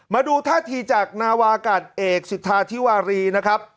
มาดูท่าทีจากนาวากาศเอกสิทธาธิวารีนะครับ